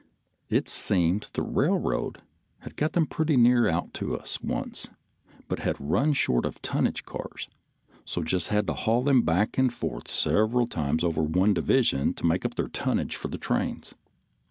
It seemed the railroad had got them pretty near out to us once, but had run short of tonnage cars, so just had to haul them back and forth several times over one division to make up their tonnage for the trains.